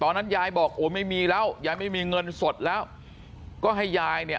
ยายบอกโอ้ยไม่มีแล้วยายไม่มีเงินสดแล้วก็ให้ยายเนี่ย